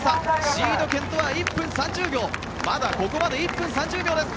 シード圏とは１分３０秒まだここまで１分３０秒です。